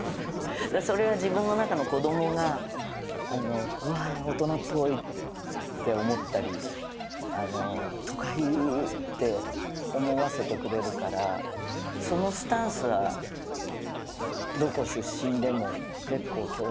それは自分の中の子どもがうわあ大人っぽいって思ったりあの都会！って思わせてくれるからそのスタンスはどこ出身でも結構共通だと思います。